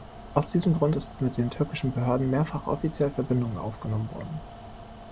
Aus diesem Grund ist mit den türkischen Behörden mehrfach offiziell Verbindung aufgenommen worden.